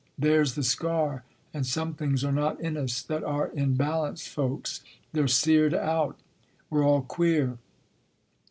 There s the scar ; and some things are not in us that are in balanced folks; they re seared out. We re all queer."